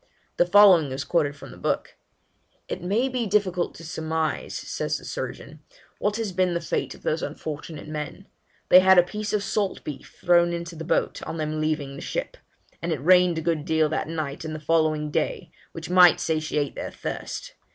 The following is quoted from the book: 'It may be difficult to surmise,' says the surgeon, 'what has been the fate of those unfortunate men. They had a piece of salt beef thrown into the boat to them on leaving the ship; and it rained a good deal that night and the following day, which might satiate their thirst.